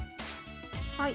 はい。